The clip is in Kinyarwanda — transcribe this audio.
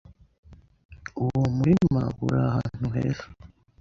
uwo murima uri ahante heza,